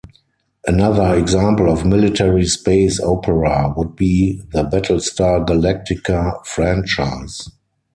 Another example of military space opera would be the Battlestar Galactica franchise.